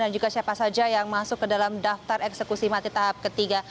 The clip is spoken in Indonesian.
dan juga siapa saja yang masuk ke dalam daftar eksekusi mati tahap ketiga